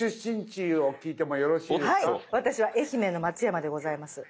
私は愛媛の松山でございます。